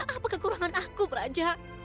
apa kekurangan aku peraja